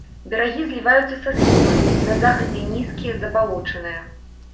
Берагі зліваюцца са схіламі, на захадзе нізкія, забалочаныя.